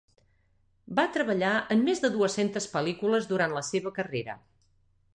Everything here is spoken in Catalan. Va treballar en més de dues-centes pel·lícules durant la seva carrera.